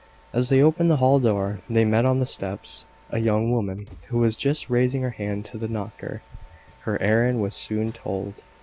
As they opened the hall door they met on the steps a young woman, who was just raising her hand to the knocker. Her errand was soon told.